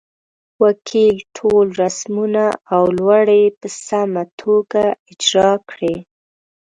وکیل ټول رسمونه او لوړې په سمه توګه اجرا کړې.